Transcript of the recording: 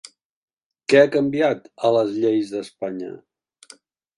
Què ha canviat a les lleis d’Espanya?